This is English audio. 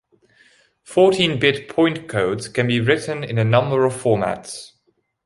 Fourteen bit point codes can be written in a number of formats.